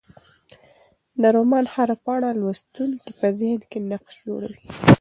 د رومان هره پاڼه د لوستونکي په ذهن کې نقش جوړوي.